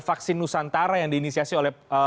vaksin nusantara yang diinisiasi oleh